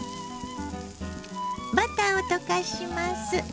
バターを溶かします。